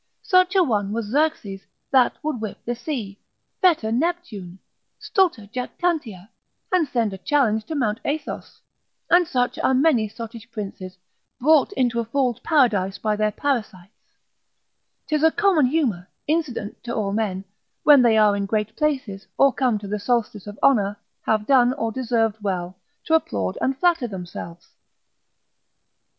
Such a one was Xerxes, that would whip the sea, fetter Neptune, stulta jactantia, and send a challenge to Mount Athos; and such are many sottish princes, brought into a fool's paradise by their parasites, 'tis a common humour, incident to all men, when they are in great places, or come to the solstice of honour, have done, or deserved well, to applaud and flatter themselves.